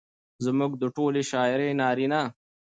زموږ د ټولې شاعرۍ نارينه